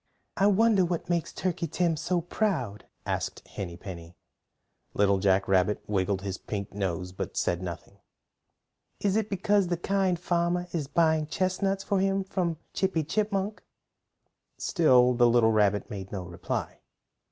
"I wonder what makes Turkey Tim so proud?" asked Henny Penny. Little Jack Rabbit wiggled his pink nose, but said nothing. "Is it because the Kind Farmer is buying chestnuts for him from Chippy Chipmunk?" Still the little rabbit made no reply.